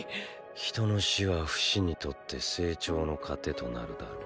人の死はフシにとって成長の糧となるだろう。